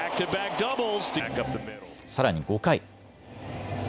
さらに５回。